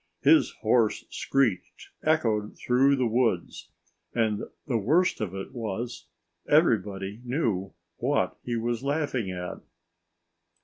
His hoarse screech echoed through the woods. And the worst of it was, everybody knew what he was laughing at.